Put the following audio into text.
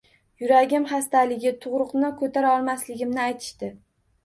Yuragim xastaligi, tug`uruqni ko`tara olmasligimni aytishdi